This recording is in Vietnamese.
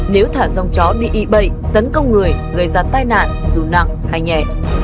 nếu thả dòng chó bị y bậy tấn công người gây ra tai nạn dù nặng hay nhẹ